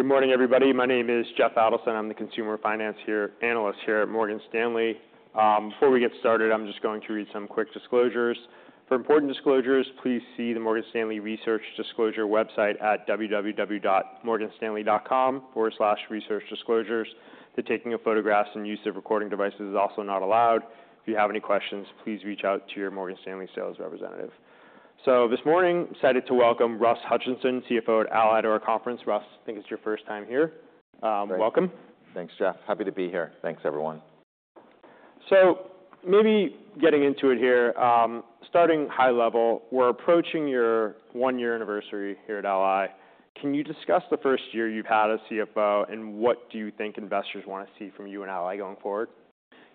Good morning, everybody. My name is Jeff Adelson. I'm the consumer finance analyst here at Morgan Stanley. Before we get started, I'm just going to read some quick disclosures. For important disclosures, please see the Morgan Stanley Research Disclosure website at www.morganstanley.com/researchdisclosures. The taking of photographs and use of recording devices is also not allowed. If you have any questions, please reach out to your Morgan Stanley sales representative. So this morning, excited to welcome Russ Hutchinson, CFO at Ally to our conference. Russ, I think it's your first time here. Welcome. Thanks, Jeff. Happy to be here. Thanks, everyone. Maybe getting into it here, starting high level, we're approaching your one-year anniversary here at Ally. Can you discuss the first year you've had as CFO, and what do you think investors want to see from you and Ally going forward?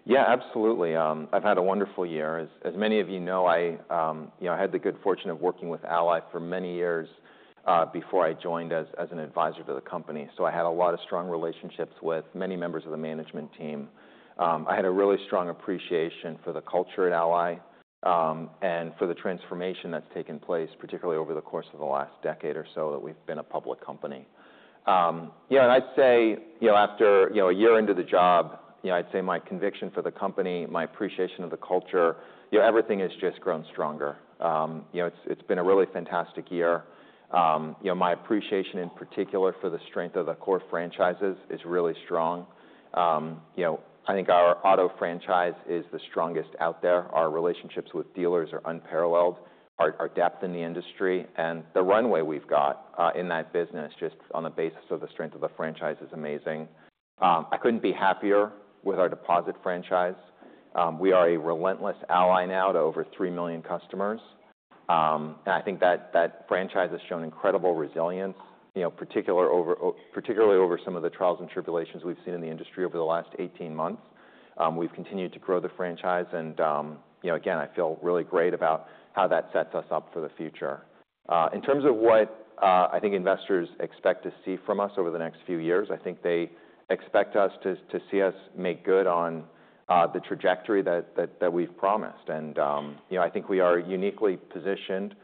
Yeah, absolutely. I've had a wonderful year. As many of you know, you know, I had the good fortune of working with Ally for many years, before I joined as an advisor to the company. So I had a lot of strong relationships with many members of the management team. I had a really strong appreciation for the culture at Ally, and for the transformation that's taken place, particularly over the course of the last decade or so that we've been a public company. Yeah, and I'd say, you know, after, you know, a year into the job, you know, I'd say my conviction for the company, my appreciation of the culture, you know, everything has just grown stronger. You know, it's been a really fantastic year. You know, my appreciation in particular for the strength of the core franchises is really strong. You know, I think our auto franchise is the strongest out there. Our relationships with dealers are unparalleled, our depth in the industry, and the runway we've got in that business just on the basis of the strength of the franchise is amazing. I couldn't be happier with our deposit franchise. We are a relentless ally now to over three million customers. And I think that franchise has shown incredible resilience, you know, particularly over some of the trials and tribulations we've seen in the industry over the last 18 months. We've continued to grow the franchise, and, you know, again, I feel really great about how that sets us up for the future. In terms of what I think investors expect to see from us over the next few years, I think they expect us to see us make good on the trajectory that we've promised. And, you know, I think we are uniquely positioned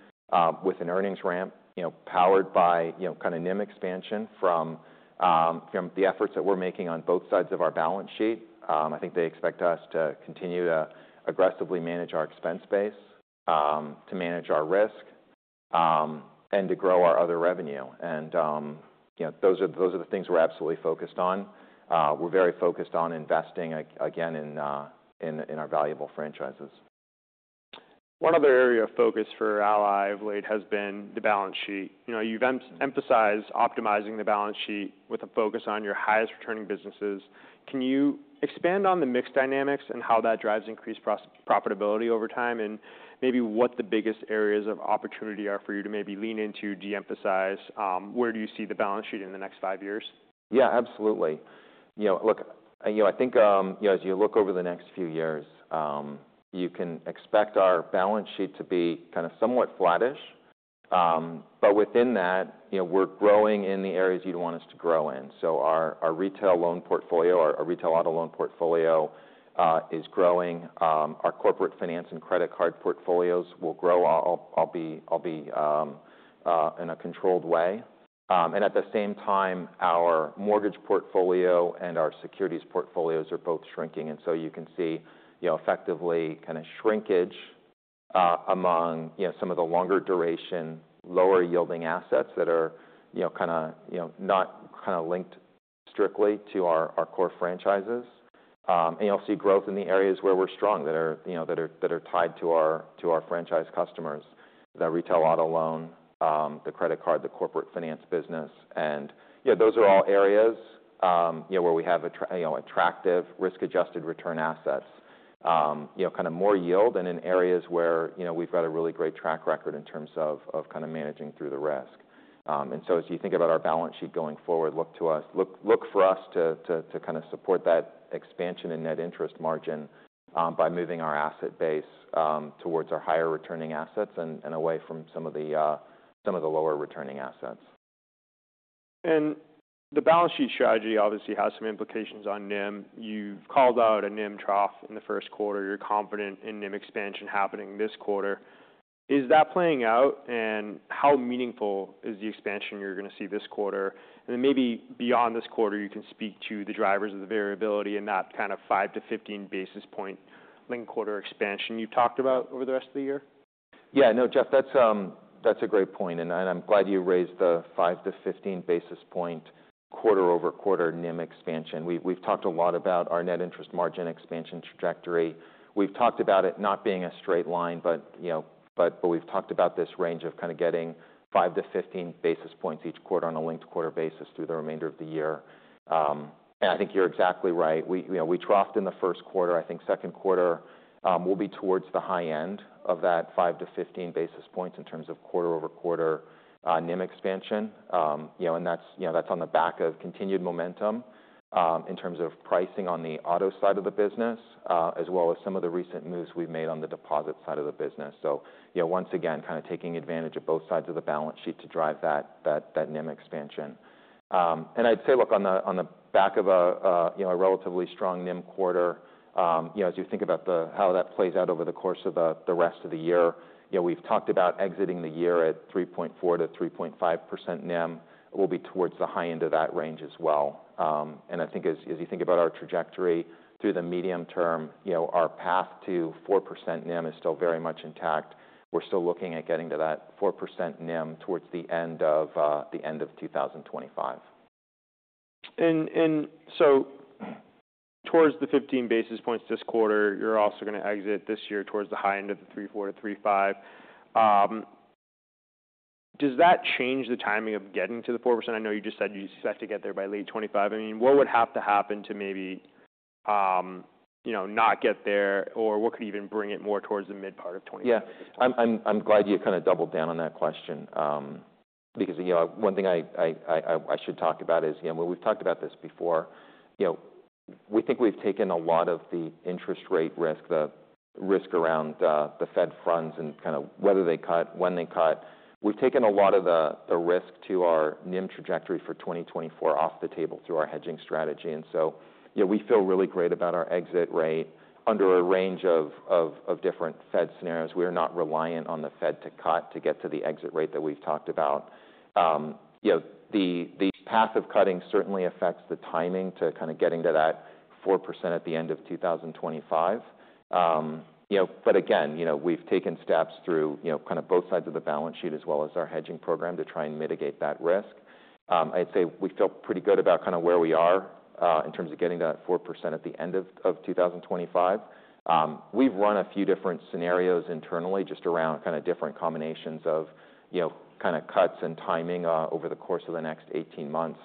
with an earnings ramp, you know, powered by, you know, kind of NIM expansion from the efforts that we're making on both sides of our balance sheet. I think they expect us to continue to aggressively manage our expense base, to manage our risk, and to grow our other revenue. And, you know, those are the things we're absolutely focused on. We're very focused on investing, again, in our valuable franchises. One other area of focus for Ally of late has been the balance sheet. You know, you've emphasized optimizing the balance sheet with a focus on your highest returning businesses. Can you expand on the mix dynamics and how that drives increased profitability over time and maybe what the biggest areas of opportunity are for you to maybe lean into, de-emphasize, where do you see the balance sheet in the next five years? Yeah, absolutely. You know, look, you know, I think, you know, as you look over the next few years, you can expect our balance sheet to be kind of somewhat flattish. But within that, you know, we're growing in the areas you'd want us to grow in. So our retail loan portfolio, our retail auto loan portfolio, is growing. Our corporate finance and credit card portfolios will grow, albeit in a controlled way. And at the same time, our mortgage portfolio and our securities portfolios are both shrinking. And so you can see, you know, effectively kind of shrinkage among some of the longer duration, lower yielding assets that are, you know, kind of, you know, not kind of linked strictly to our core franchises. You'll see growth in the areas where we're strong that are, you know, tied to our franchise customers, the retail auto loan, the credit card, the corporate finance business. And, you know, those are all areas, you know, where we have a, you know, attractive risk-adjusted return assets, you know, kind of more yield and in areas where, you know, we've got a really great track record in terms of kind of managing through the risk. And so as you think about our balance sheet going forward, look for us to kind of support that expansion in net interest margin by moving our asset base towards our higher returning assets and away from some of the lower returning assets. The balance sheet strategy obviously has some implications on NIM. You've called out a NIM trough in the first quarter. You're confident in NIM expansion happening this quarter. Is that playing out, and how meaningful is the expansion you're going to see this quarter? Then maybe beyond this quarter, you can speak to the drivers of the variability and that kind of 5-15 basis point link quarter expansion you've talked about over the rest of the year. Yeah, no, Jeff, that's, that's a great point. And, and I'm glad you raised the 5-15 basis point quarter-over-quarter NIM expansion. We've, we've talked a lot about our net interest margin expansion trajectory. We've talked about it not being a straight line, but, you know, but, but we've talked about this range of kind of getting 5-15 basis points each quarter on a linked-quarter basis through the remainder of the year. And I think you're exactly right. We, you know, we troughed in the first quarter. I think second quarter will be towards the high end of that 5-15 basis points in terms of quarter-over-quarter NIM expansion. You know, and that's, you know, that's on the back of continued momentum in terms of pricing on the auto side of the business, as well as some of the recent moves we've made on the deposit side of the business. So, you know, once again, kind of taking advantage of both sides of the balance sheet to drive that, that, that NIM expansion. And I'd say, look, on the, on the back of a, you know, a relatively strong NIM quarter, you know, as you think about the, how that plays out over the course of the, the rest of the year, you know, we've talked about exiting the year at 3.4%-3.5% NIM. It will be towards the high end of that range as well. I think as you think about our trajectory through the medium term, you know, our path to 4% NIM is still very much intact. We're still looking at getting to that 4% NIM towards the end of 2025. So towards the 15 basis points this quarter, you're also going to exit this year towards the high end of the 3.4-3.5. Does that change the timing of getting to the 4%? I know you just said you expect to get there by late 2025. I mean, what would have to happen to maybe, you know, not get there or what could even bring it more towards the mid part of 2025? Yeah, I'm glad you kind of doubled down on that question. Because, you know, one thing I should talk about is, you know, we've talked about this before. You know, we think we've taken a lot of the interest rate risk, the risk around the Fed funds and kind of whether they cut, when they cut. We've taken a lot of the risk to our NIM trajectory for 2024 off the table through our hedging strategy. And so, you know, we feel really great about our exit rate under a range of different Fed scenarios. We are not reliant on the Fed to cut to get to the exit rate that we've talked about. You know, the path of cutting certainly affects the timing to kind of getting to that 4% at the end of 2025. You know, but again, you know, we've taken steps through, you know, kind of both sides of the balance sheet as well as our hedging program to try and mitigate that risk. I'd say we feel pretty good about kind of where we are, in terms of getting to that 4% at the end of 2025. We've run a few different scenarios internally just around kind of different combinations of, you know, kind of cuts and timing, over the course of the next 18 months.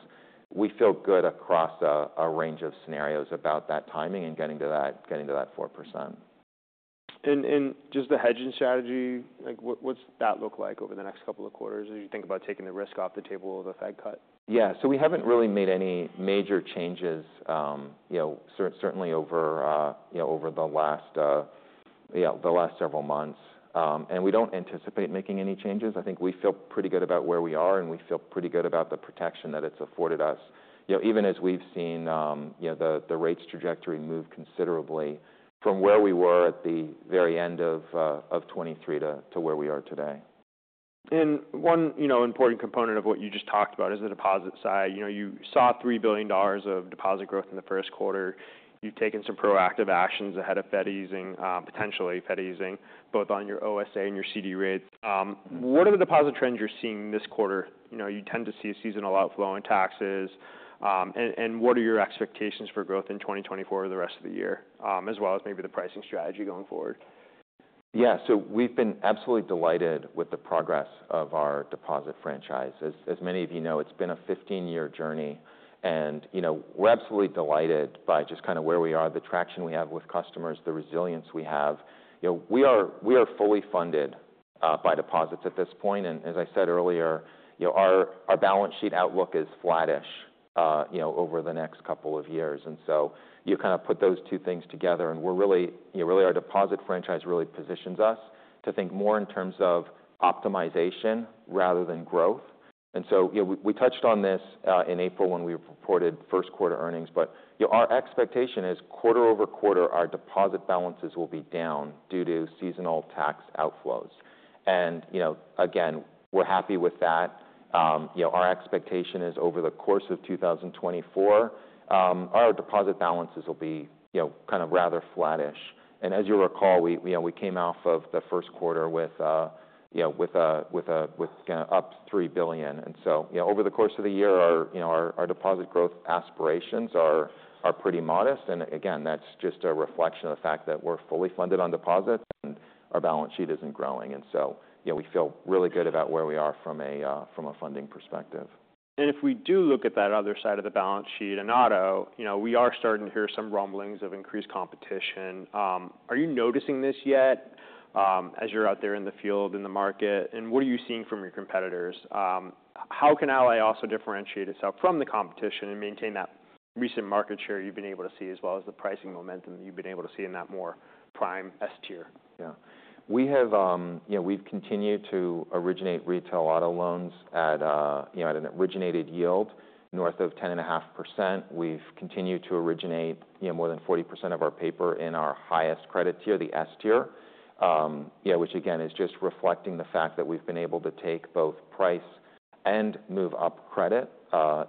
We feel good across a range of scenarios about that timing and getting to that, getting to that 4%. And just the hedging strategy, like, what's that look like over the next couple of quarters as you think about taking the risk off the table of the Fed cut? Yeah, so we haven't really made any major changes, you know, certainly over, you know, over the last, you know, the last several months. We don't anticipate making any changes. I think we feel pretty good about where we are, and we feel pretty good about the protection that it's afforded us, you know, even as we've seen, you know, the rates trajectory move considerably from where we were at the very end of 2023 to where we are today. One, you know, important component of what you just talked about is the deposit side. You know, you saw $3 billion of deposit growth in the first quarter. You've taken some proactive actions ahead of Fed easing, potentially Fed easing both on your OSA and your CD rates. What are the deposit trends you're seeing this quarter? You know, you tend to see a seasonal outflow in taxes. And what are your expectations for growth in 2024 or the rest of the year, as well as maybe the pricing strategy going forward? Yeah, so we've been absolutely delighted with the progress of our deposit franchise. As many of you know, it's been a 15-year journey. And, you know, we're absolutely delighted by just kind of where we are, the traction we have with customers, the resilience we have. You know, we are fully funded by deposits at this point. And as I said earlier, you know, our balance sheet outlook is flattish, you know, over the next couple of years. And so you kind of put those two things together, and we're really, you know, really our deposit franchise really positions us to think more in terms of optimization rather than growth. You know, we touched on this in April when we reported first-quarter earnings, but you know, our expectation is quarter-over-quarter, our deposit balances will be down due to seasonal tax outflows. You know, again, we're happy with that. You know, our expectation is over the course of 2024, our deposit balances will be, you know, kind of rather flattish. As you recall, you know, we came off of the first quarter with, you know, with kind of up $3 billion. So, you know, over the course of the year, our, you know, our deposit growth aspirations are pretty modest. Again, that's just a reflection of the fact that we're fully funded on deposits and our balance sheet isn't growing. And so, you know, we feel really good about where we are from a funding perspective. If we do look at that other side of the balance sheet in auto, you know, we are starting to hear some rumblings of increased competition. Are you noticing this yet, as you're out there in the field, in the market, and what are you seeing from your competitors? How can Ally also differentiate itself from the competition and maintain that recent market share you've been able to see as well as the pricing momentum that you've been able to see in that more prime S Tier? Yeah, we have, you know, we've continued to originate retail auto loans at, you know, at an originated yield north of 10.5%. We've continued to originate, you know, more than 40% of our paper in our highest credit tier, the S Tier, you know, which again is just reflecting the fact that we've been able to take both price and move up credit,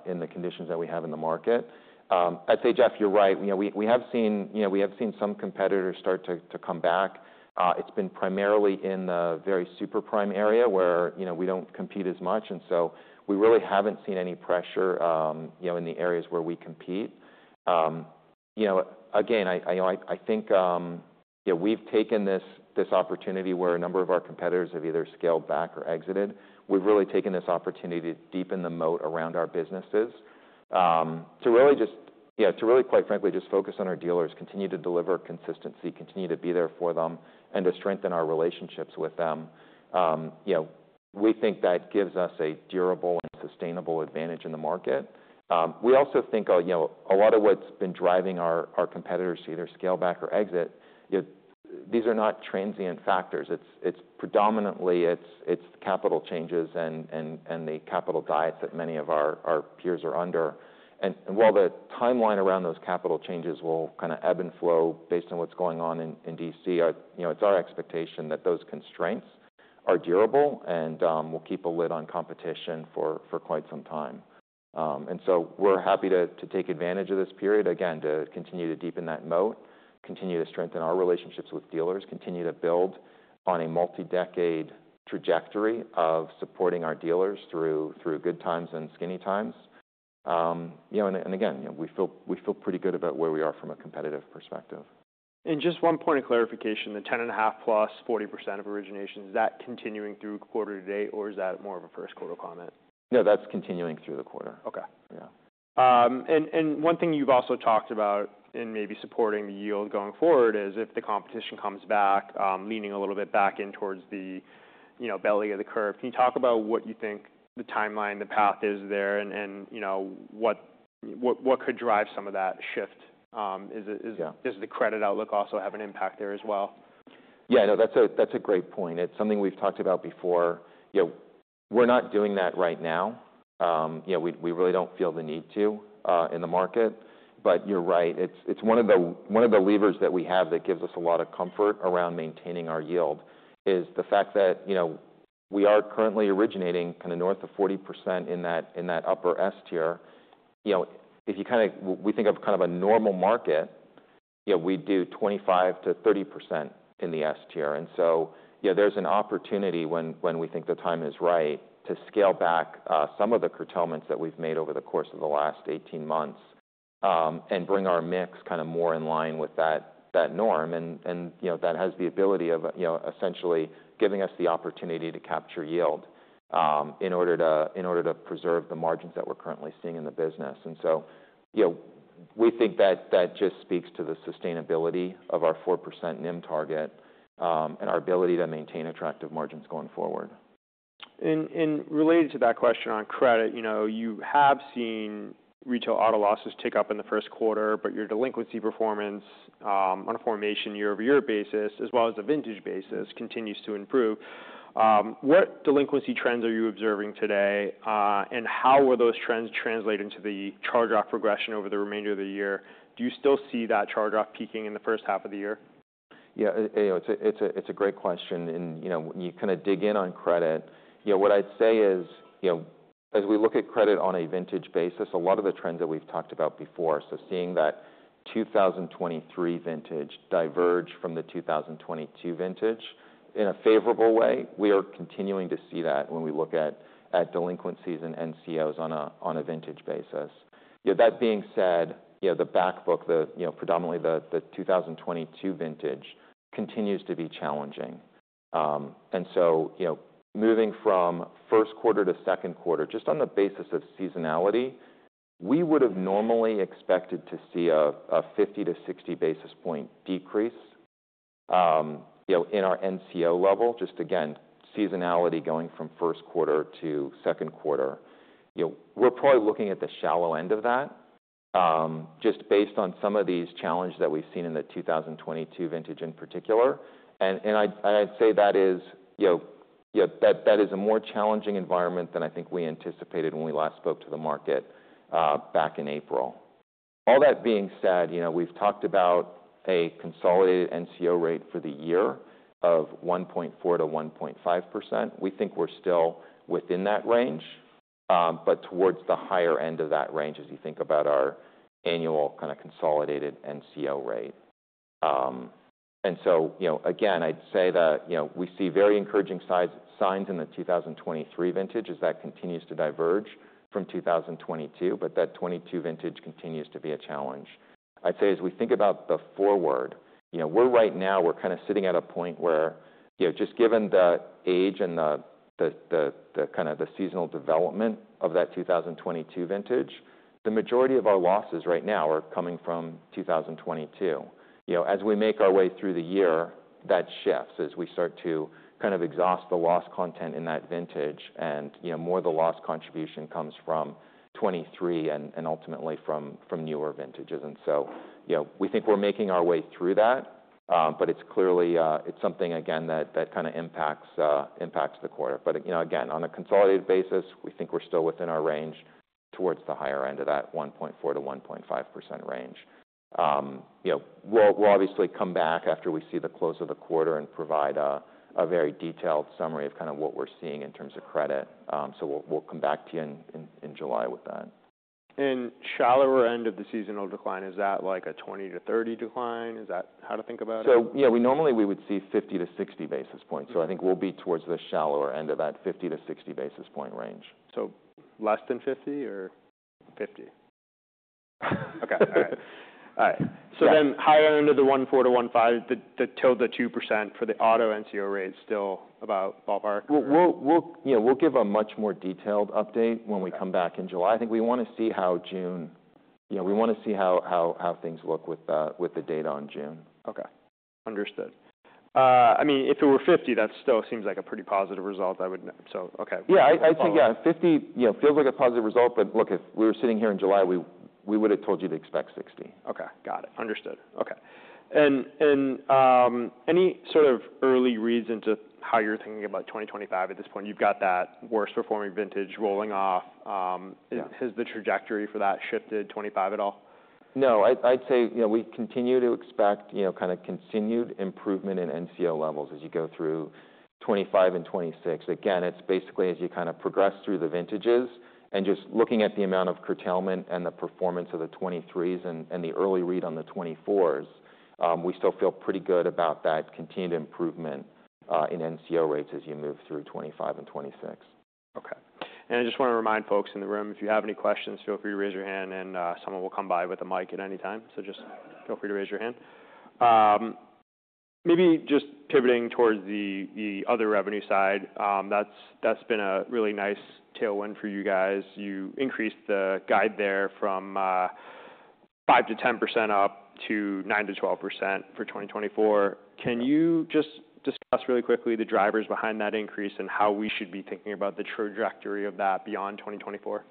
in the conditions that we have in the market. I'd say, Jeff, you're right. You know, we, we have seen, you know, we have seen some competitors start to, to come back. It's been primarily in the very super prime area where, you know, we don't compete as much. And so we really haven't seen any pressure, you know, in the areas where we compete. You know, again, you know, I think, you know, we've taken this opportunity where a number of our competitors have either scaled back or exited. We've really taken this opportunity to deepen the moat around our businesses, to really just, you know, to really, quite frankly, just focus on our dealers, continue to deliver consistency, continue to be there for them, and to strengthen our relationships with them. You know, we think that gives us a durable and sustainable advantage in the market. We also think, you know, a lot of what's been driving our competitors to either scale back or exit, you know, these are not transient factors. It's predominantly, it's capital changes and the capital diets that many of our peers are under. And while the timeline around those capital changes will kind of ebb and flow based on what's going on in D.C., you know, it's our expectation that those constraints are durable and will keep a lid on competition for quite some time. So we're happy to take advantage of this period, again, to continue to deepen that moat, continue to strengthen our relationships with dealers, continue to build on a multi-decade trajectory of supporting our dealers through good times and skinny times. You know, and again, you know, we feel pretty good about where we are from a competitive perspective. Just one point of clarification, the 10.5 + 40% of origination, is that continuing through quarter to date, or is that more of a first quarter comment? No, that's continuing through the quarter. Okay. Yeah. One thing you've also talked about in maybe supporting the yield going forward is if the competition comes back, leaning a little bit back in towards the, you know, belly of the curve. Can you talk about what you think the timeline, the path is there, and you know, what could drive some of that shift? Does the credit outlook also have an impact there as well? Yeah, no, that's a, that's a great point. It's something we've talked about before. You know, we're not doing that right now. You know, we, we really don't feel the need to, in the market. But you're right. It's, it's one of the, one of the levers that we have that gives us a lot of comfort around maintaining our yield is the fact that, you know, we are currently originating kind of north of 40% in that, in that upper S Tier. You know, if you kind of, we think of kind of a normal market, you know, we do 25%-30% in the S Tier. And so, you know, there's an opportunity when we think the time is right to scale back some of the curtailments that we've made over the course of the last 18 months, and bring our mix kind of more in line with that norm. And you know, that has the ability of, you know, essentially giving us the opportunity to capture yield in order to preserve the margins that we're currently seeing in the business. And so, you know, we think that just speaks to the sustainability of our 4% NIM target, and our ability to maintain attractive margins going forward. And related to that question on credit, you know, you have seen retail auto losses tick up in the first quarter, but your delinquency performance, on a formation year-over-year basis as well as a vintage basis continues to improve. What delinquency trends are you observing today, and how were those trends translated into the charge-off progression over the remainder of the year? Do you still see that charge-off peaking in the first half of the year? Yeah, you know, it's a great question. And, you know, when you kind of dig in on credit, you know, what I'd say is, you know, as we look at credit on a vintage basis, a lot of the trends that we've talked about before, so seeing that 2023 vintage diverge from the 2022 vintage in a favorable way, we are continuing to see that when we look at delinquencies and NCOs on a vintage basis. You know, that being said, you know, the backbook, you know, predominantly the 2022 vintage continues to be challenging. and so, you know, moving from first quarter to second quarter, just on the basis of seasonality, we would have normally expected to see a 50-60 basis point decrease, you know, in our NCO level, just again, seasonality going from first quarter to second quarter. You know, we're probably looking at the shallow end of that, just based on some of these challenges that we've seen in the 2022 vintage in particular. And I'd say that is a more challenging environment than I think we anticipated when we last spoke to the market, back in April. All that being said, you know, we've talked about a consolidated NCO rate for the year of 1.4%-1.5%. We think we're still within that range, but towards the higher end of that range as you think about our annual kind of consolidated NCO rate. And so, you know, again, I'd say that, you know, we see very encouraging signs in the 2023 vintage as that continues to diverge from 2022, but that 2022 vintage continues to be a challenge. I'd say as we think about the forward, you know, we're right now, we're kind of sitting at a point where, you know, just given the age and the kind of the seasonal development of that 2022 vintage, the majority of our losses right now are coming from 2022. You know, as we make our way through the year, that shifts as we start to kind of exhaust the loss content in that vintage. You know, more of the loss contribution comes from 2023 and ultimately from newer vintages. And so, you know, we think we're making our way through that, but it's clearly something again that kind of impacts the quarter. But, you know, again, on a consolidated basis, we think we're still within our range towards the higher end of that 1.4%-1.5% range. You know, we'll obviously come back after we see the close of the quarter and provide a very detailed summary of kind of what we're seeing in terms of credit. So we'll come back to you in July with that. Shallower end of the seasonal decline, is that like a 20-30 decline? Is that how to think about it? So, you know, we normally would see 50-60 basis points. So I think we'll be towards the shallower end of that 50-60 basis point range. So less than 50 or 50? Okay. All right. All right. So then higher end of the 1.4%-1.5%, the to the 2% for the auto NCO rate is still about ballpark? We'll, you know, we'll give a much more detailed update when we come back in July. I think we want to see how June, you know, we want to see how things look with the data on June. Okay. Understood. I mean, if it were 50, that still seems like a pretty positive result. I would, so okay. Yeah, I think, yeah, 50, you know, feels like a positive result. But look, if we were sitting here in July, we would have told you to expect 60. Okay. Got it. Understood. Okay. And, any sort of early reason to how you're thinking about 2025 at this point? You've got that worst-performing vintage rolling off. Has the trajectory for that shifted 2025 at all? No, I'd say, you know, we continue to expect, you know, kind of continued improvement in NCO levels as you go through 2025 and 2026. Again, it's basically as you kind of progress through the vintages and just looking at the amount of curtailment and the performance of the 2023s and the early read on the 2024s, we still feel pretty good about that continued improvement in NCO rates as you move through 2025 and 2026. Okay. And I just want to remind folks in the room, if you have any questions, feel free to raise your hand and someone will come by with a mic at any time. So just feel free to raise your hand. Maybe just pivoting towards the other revenue side, that's been a really nice tailwind for you guys. You increased the guide there from 5%-10% up to 9%-12% for 2024. Can you just discuss really quickly the drivers behind that increase and how we should be thinking about the trajectory of that beyond 2024?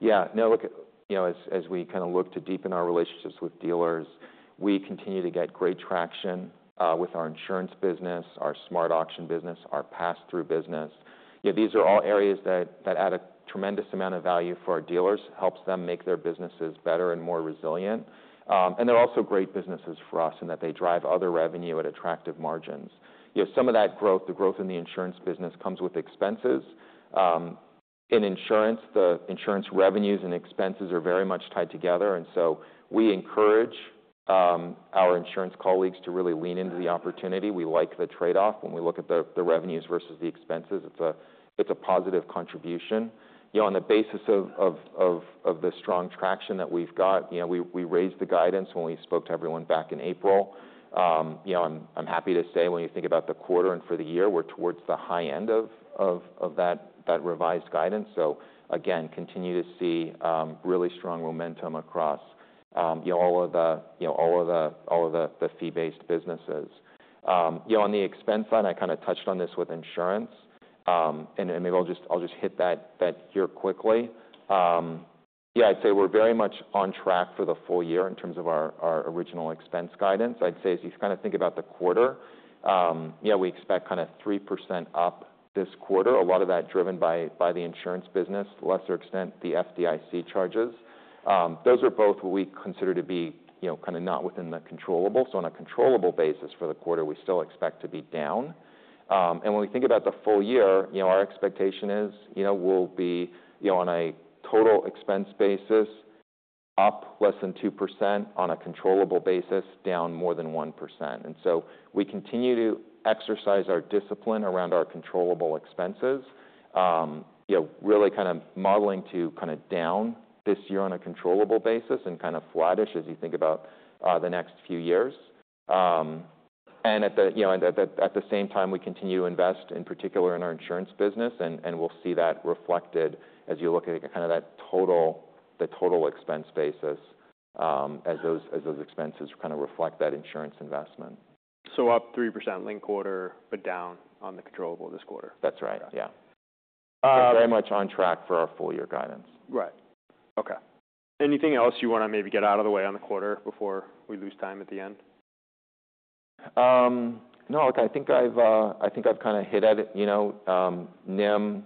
Yeah. No, look, you know, as we kind of look to deepen our relationships with dealers, we continue to get great traction with our insurance business, our SmartAuction business, our Pass-Through business. You know, these are all areas that add a tremendous amount of value for our dealers, helps them make their businesses better and more resilient. And they're also great businesses for us in that they drive other revenue at attractive margins. You know, some of that growth, the growth in the insurance business comes with expenses. In insurance, the insurance revenues and expenses are very much tied together. And so we encourage our insurance colleagues to really lean into the opportunity. We like the trade-off when we look at the revenues versus the expenses. It's a positive contribution. You know, on the basis of the strong traction that we've got, you know, we raised the guidance when we spoke to everyone back in April. You know, I'm happy to say when you think about the quarter and for the year, we're towards the high end of that revised guidance. So again, continue to see really strong momentum across, you know, all of the fee-based businesses. You know, on the expense side, I kind of touched on this with insurance. And maybe I'll just hit that here quickly. Yeah, I'd say we're very much on track for the full year in terms of our original expense guidance. I'd say as you kind of think about the quarter, yeah, we expect kind of 3% up this quarter. A lot of that driven by, by the insurance business, lesser extent the FDIC charges. Those are both what we consider to be, you know, kind of not within the controllable. So on a controllable basis for the quarter, we still expect to be down. And when we think about the full year, you know, our expectation is, you know, we'll be, you know, on a total expense basis, up less than 2%, on a controllable basis, down more than 1%. And so we continue to exercise our discipline around our controllable expenses, you know, really kind of modeling to kind of down this year on a controllable basis and kind of flattish as you think about, the next few years. and, you know, at the same time, we continue to invest in particular in our insurance business and we'll see that reflected as you look at kind of the total expense basis, as those expenses kind of reflect that insurance investment. So up 3% late quarter, but down on the controllable this quarter. That's right. Yeah. Very much on track for our full year guidance. Right. Okay. Anything else you want to maybe get out of the way on the quarter before we lose time at the end? No, look, I think I've kind of hit at it, you know, NIM,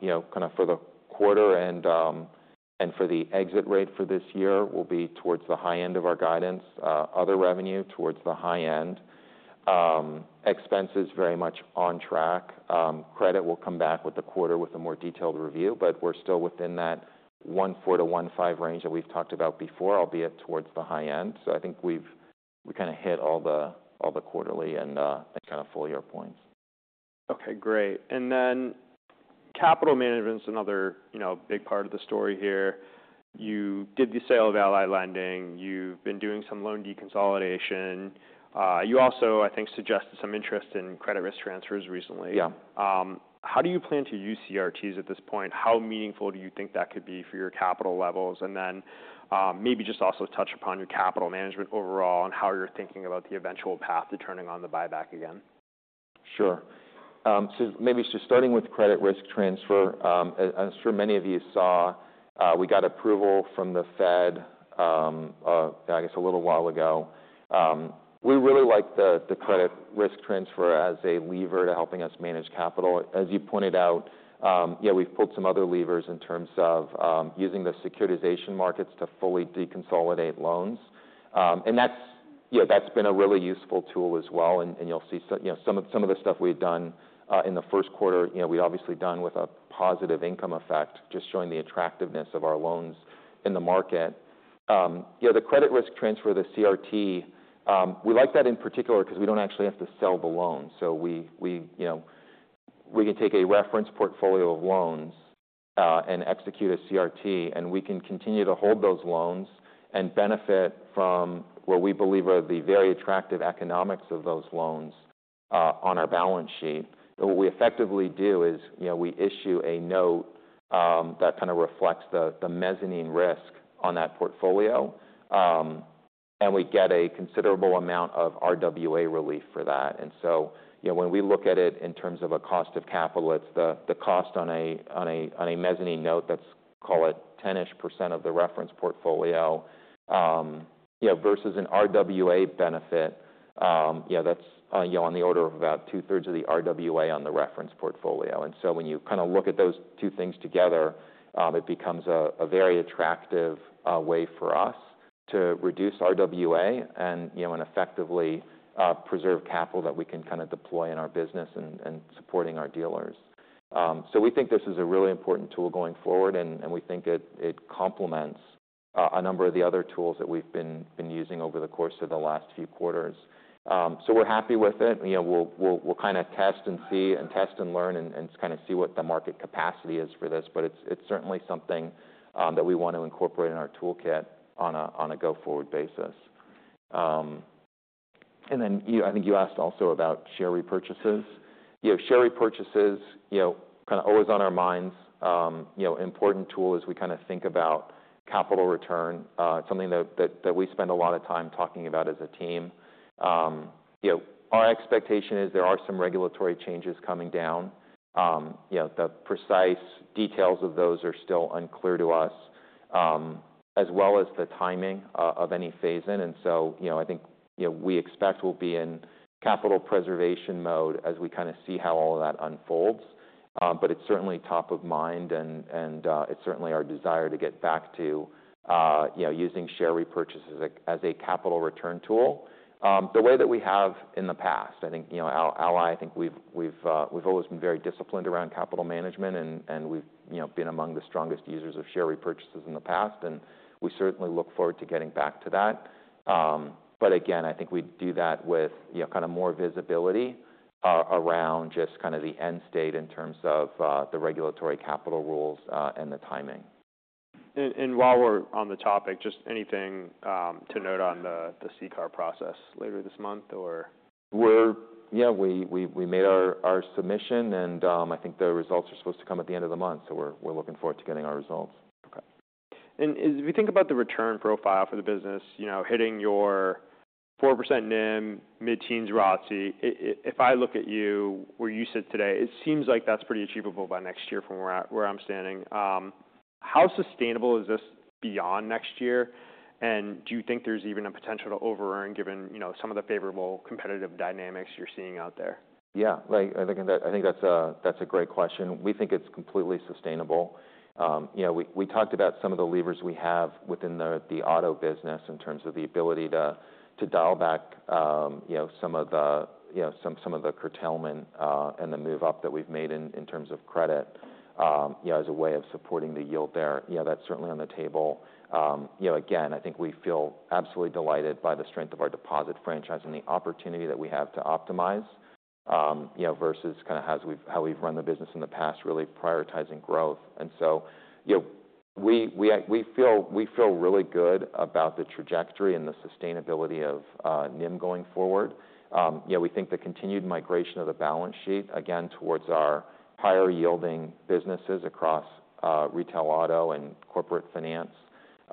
you know, kind of for the quarter and for the exit rate for this year will be towards the high end of our guidance, other revenue towards the high end. Expenses very much on track. Credit will come back with the quarter with a more detailed review, but we're still within that 1.4-1.5 range that we've talked about before, albeit towards the high end. So I think we've kind of hit all the quarterly and kind of full year points. Okay. Great. And then capital management's another, you know, big part of the story here. You did the sale of Ally Lending. You've been doing some loan deconsolidation. You also, I think, suggested some interest in credit risk transfers recently. Yeah. How do you plan to use CRTs at this point? How meaningful do you think that could be for your capital levels? And then, maybe just also touch upon your capital management overall and how you're thinking about the eventual path to turning on the buyback again. Sure. So maybe just starting with credit risk transfer, as I'm sure many of you saw, we got approval from the Fed, I guess a little while ago. We really like the credit risk transfer as a lever to helping us manage capital. As you pointed out, yeah, we've pulled some other levers in terms of using the securitization markets to fully deconsolidate loans. And that's, you know, that's been a really useful tool as well. And you'll see some, you know, some of the stuff we've done in the first quarter, you know, we obviously done with a positive income effect, just showing the attractiveness of our loans in the market. You know, the credit risk transfer, the CRT, we like that in particular because we don't actually have to sell the loans. So we, you know, we can take a reference portfolio of loans, and execute a CRT, and we can continue to hold those loans and benefit from what we believe are the very attractive economics of those loans, on our balance sheet. And what we effectively do is, you know, we issue a note, that kind of reflects the mezzanine risk on that portfolio. And we get a considerable amount of RWA relief for that. And so, you know, when we look at it in terms of a cost of capital, it's the cost on a mezzanine note that's call it 10%-ish of the reference portfolio, you know, versus an RWA benefit, you know, that's, you know, on the order of about two-thirds of the RWA on the reference portfolio. And so when you kind of look at those two things together, it becomes a very attractive way for us to reduce RWA and, you know, effectively preserve capital that we can kind of deploy in our business and supporting our dealers. So we think this is a really important tool going forward, and we think it complements a number of the other tools that we've been using over the course of the last few quarters. So we're happy with it. You know, we'll kind of test and see and test and learn and kind of see what the market capacity is for this. But it's certainly something that we want to incorporate in our toolkit on a go-forward basis. And then, you know, I think you asked also about share repurchases. You know, share repurchases, you know, kind of always on our minds. You know, important tool as we kind of think about capital return, something that we spend a lot of time talking about as a team. You know, our expectation is there are some regulatory changes coming down. You know, the precise details of those are still unclear to us, as well as the timing of any phase in. And so, you know, I think, you know, we expect we'll be in capital preservation mode as we kind of see how all of that unfolds. But it's certainly top of mind and it's certainly our desire to get back to, you know, using share repurchases as a capital return tool. The way that we have in the past, I think, you know, Ally, I think we've always been very disciplined around capital management and we've, you know, been among the strongest users of share repurchases in the past. We certainly look forward to getting back to that. But again, I think we do that with, you know, kind of more visibility around just kind of the end state in terms of the regulatory capital rules and the timing. While we're on the topic, just anything to note on the CCAR process later this month or? We're, yeah, we made our submission and, I think the results are supposed to come at the end of the month. So we're looking forward to getting our results. Okay. And as we think about the return profile for the business, you know, hitting your 4% NIM, mid-teens ROTCE, if, if I look at you where you sit today, it seems like that's pretty achievable by next year from where I'm, where I'm standing. How sustainable is this beyond next year? And do you think there's even a potential to over-earn given, you know, some of the favorable competitive dynamics you're seeing out there? Yeah. Like, I think that, I think that's, that's a great question. We think it's completely sustainable. You know, we, we talked about some of the levers we have within the, the auto business in terms of the ability to, to dial back, you know, some of the, you know, some, some of the curtailment, and the move-up that we've made in, in terms of credit, you know, as a way of supporting the yield there. You know, that's certainly on the table. You know, again, I think we feel absolutely delighted by the strength of our deposit franchise and the opportunity that we have to optimize, you know, versus kind of how we've, how we've run the business in the past, really prioritizing growth. And so, you know, we, we, we feel, we feel really good about the trajectory and the sustainability of NIM going forward. You know, we think the continued migration of the balance sheet again towards our higher yielding businesses across retail auto and corporate finance,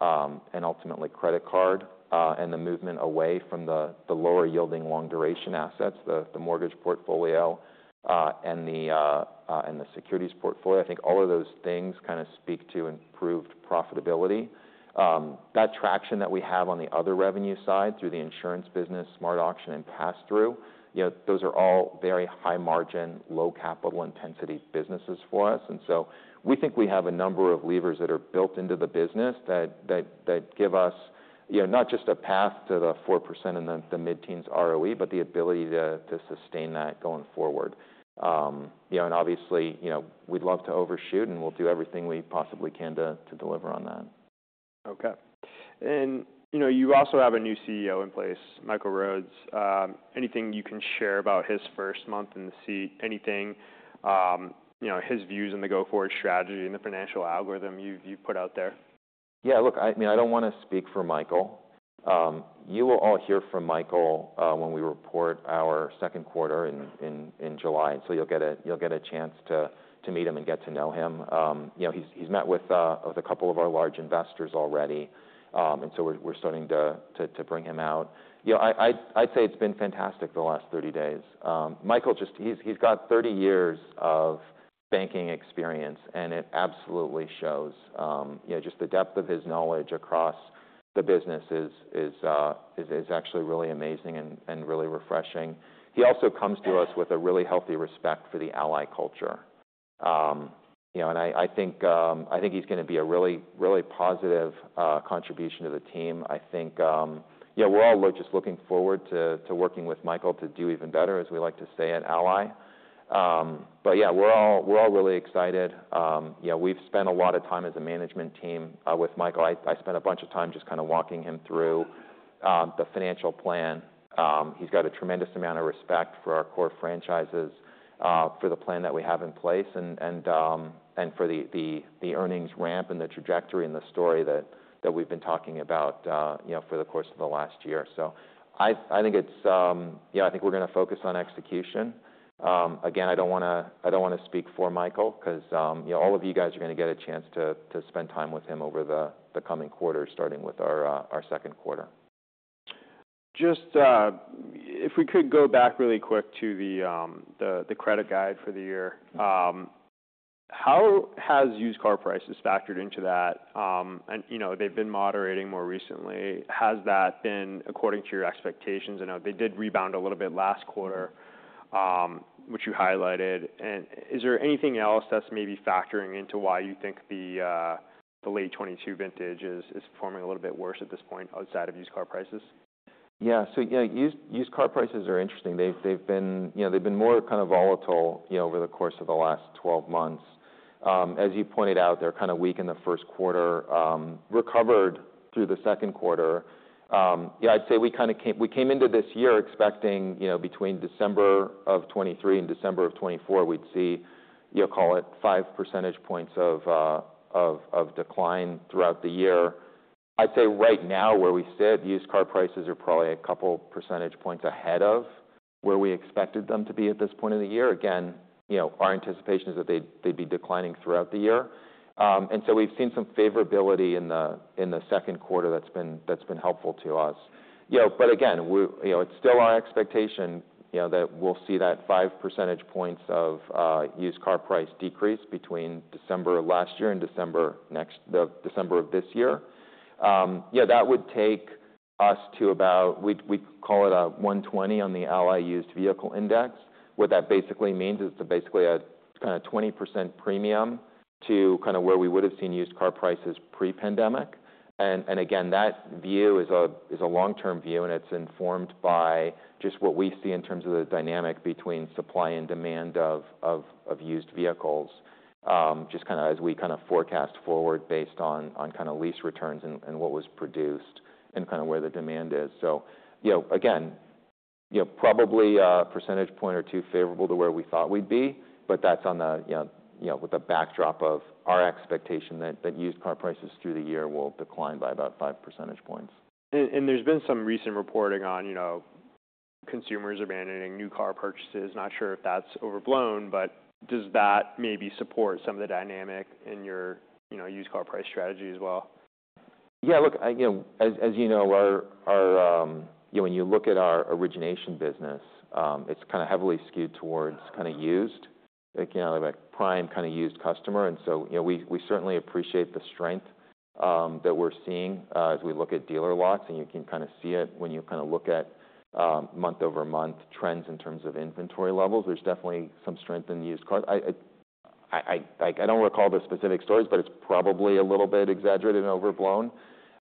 and ultimately credit card, and the movement away from the lower yielding long-duration assets, the mortgage portfolio, and the securities portfolio. I think all of those things kind of speak to improved profitability. That traction that we have on the other revenue side through the insurance business, SmartAuction, and pass-through, you know, those are all very high-margin, low-capital-intensity businesses for us. And so we think we have a number of levers that are built into the business that give us, you know, not just a path to the 4% and the mid-teens ROE, but the ability to sustain that going forward. You know, and obviously, you know, we'd love to overshoot and we'll do everything we possibly can to deliver on that. Okay. And, you know, you also have a new CEO in place, Michael Rhodes. Anything you can share about his first month in the seat? Anything, you know, his views on the go-forward strategy and the financial algorithm you've, you've put out there? Yeah. Look, I mean, I don't want to speak for Michael. You will all hear from Michael when we report our second quarter in July. And so you'll get a chance to meet him and get to know him. You know, he's met with a couple of our large investors already. And so we're starting to bring him out. You know, I, I'd say it's been fantastic the last 30 days. Michael just, he's got 30 years of banking experience and it absolutely shows. You know, just the depth of his knowledge across the business is actually really amazing and really refreshing. He also comes to us with a really healthy respect for the Ally culture. You know, and I think, I think he's going to be a really, really positive contribution to the team. I think, you know, we're all just looking forward to working with Michael to do even better as we like to say at Ally. But yeah, we're all really excited. You know, we've spent a lot of time as a management team with Michael. I spent a bunch of time just kind of walking him through the financial plan. He's got a tremendous amount of respect for our core franchises, for the plan that we have in place and for the earnings ramp and the trajectory and the story that we've been talking about, you know, for the course of the last year. So I think it's, you know, I think we're going to focus on execution. Again, I don't want to speak for Michael because, you know, all of you guys are going to get a chance to spend time with him over the coming quarter, starting with our second quarter. Just, if we could go back really quick to the credit guide for the year, how has used car prices factored into that? And, you know, they've been moderating more recently. Has that been according to your expectations? I know they did rebound a little bit last quarter, which you highlighted. And is there anything else that's maybe factoring into why you think the late 2022 vintage is performing a little bit worse at this point outside of used car prices? Yeah. So, you know, used car prices are interesting. They've been, you know, more kind of volatile, you know, over the course of the last 12 months. As you pointed out, they're kind of weak in the first quarter, recovered through the second quarter. You know, I'd say we came into this year expecting, you know, between December of 2023 and December of 2024, we'd see, you know, call it five percentage points of decline throughout the year. I'd say right now where we sit, used car prices are probably a couple percentage points ahead of where we expected them to be at this point of the year. Again, you know, our anticipation is that they'd be declining throughout the year. And so we've seen some favorability in the second quarter that's been helpful to us. You know, but again, we, you know, it's still our expectation, you know, that we'll see that five percentage points of used car price decrease between December of last year and December next, the December of this year. You know, that would take us to about; we'd call it a 120 on the Ally Used Vehicle Index. What that basically means is it's basically a kind of 20% premium to kind of where we would have seen used car prices pre-pandemic. Again, that view is a long-term view and it's informed by just what we see in terms of the dynamic between supply and demand of used vehicles, just kind of as we kind of forecast forward based on kind of lease returns and what was produced and kind of where the demand is. So, you know, again, you know, probably a percentage point or two favorable to where we thought we'd be, but that's on the, you know, with the backdrop of our expectation that used car prices through the year will decline by about five percentage points. And there's been some recent reporting on, you know, consumers abandoning new car purchases. Not sure if that's overblown, but does that maybe support some of the dynamic in your, you know, used car price strategy as well? Yeah. Look, you know, as you know, our you know, when you look at our origination business, it's kind of heavily skewed towards kind of used, like, you know, like prime kind of used customer. And so, you know, we certainly appreciate the strength that we're seeing, as we look at dealer lots. And you can kind of see it when you kind of look at month-over-month trends in terms of inventory levels. There's definitely some strength in used cars. I don't recall the specific stories, but it's probably a little bit exaggerated and overblown.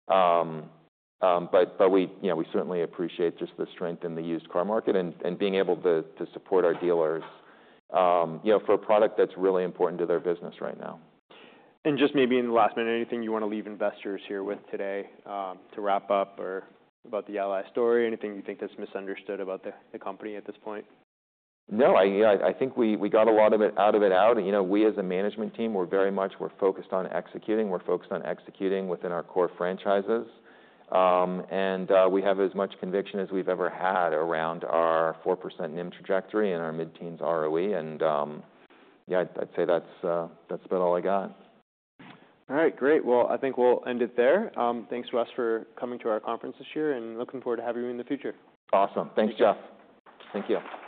But we, you know, we certainly appreciate just the strength in the used car market and being able to support our dealers, you know, for a product that's really important to their business right now. And just maybe in the last minute, anything you want to leave investors here with today, to wrap up or about the Ally story? Anything you think that's misunderstood about the company at this point? No, you know, I think we got a lot of it out. And, you know, we as a management team, we're very much focused on executing. We're focused on executing within our core franchises. And we have as much conviction as we've ever had around our 4% NIM trajectory and our mid-teens ROE. And, yeah, I'd say that's about all I got. All right. Great. Well, I think we'll end it there. Thanks to us for coming to our conference this year and looking forward to having you in the future. Awesome. Thanks, Jeff. Thank you.